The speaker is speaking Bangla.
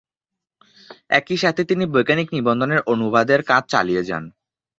একই সাথে তিনি বৈজ্ঞানিক নিবন্ধের অনুবাদের কাজ চালিয়ে যান।